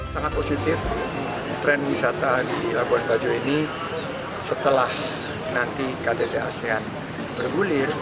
sangat positif tren wisata di labuan bajo ini setelah nanti ktt asean bergulir